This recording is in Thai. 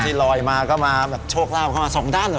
ที่ลอยมาก็มาโชคลาภก็มา๒ด้าน